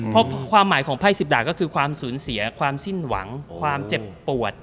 เพราะความหมายของไพ่๑๐ดาก็คือความสูญเสียความสิ้นหวังความเจ็บปวด